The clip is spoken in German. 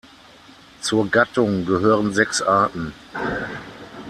Zur Gattung gehören sechs Arten.